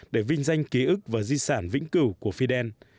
để vinh danh ký ức và di sản vĩnh cửu của fidel